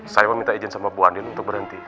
saya meminta izin sama bu andin untuk berhenti